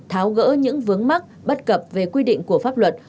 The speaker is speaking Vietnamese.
tháo gỡ những vướng mắc bất cập về quy định của pháp luật